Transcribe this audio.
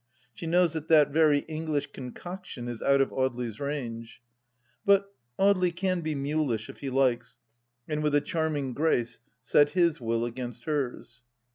She knows that that very English concoction is out of Audely's range. ... But Audely can be mulish if he likes, and with a charming grace set his will against hers.